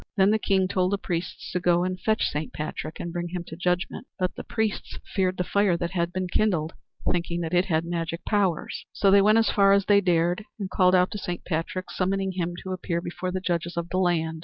Then the King told the priests to go and fetch Saint Patrick and bring him to judgment, but the priests feared the fire that had been kindled, thinking that it had magic powers. So they went as far as they dared and called out to Saint Patrick, summoning him to appear before the judges of the land.